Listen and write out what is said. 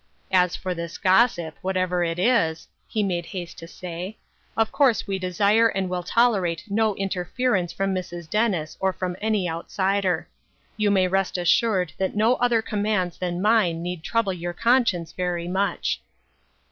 " As for this gossip, whatever it is," he made haste to say, " of course we desire and will toler ate no interference from Mrs. Dennis or from any outsider. You may rest assured that no other commands than mine need trouble your con science very much."